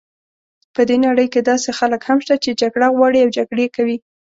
په دې نړۍ کې داسې خلک هم شته چې جګړه غواړي او جګړې کوي.